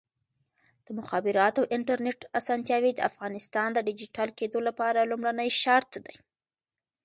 د مخابراتو او انټرنیټ اسانتیاوې د افغانستان د ډیجیټل کېدو لپاره لومړنی شرط دی.